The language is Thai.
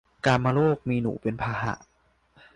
กาฬโรค มีหนูเป็นพาหะ